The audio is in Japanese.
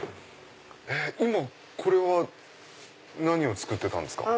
今これは何を作ってたんですか？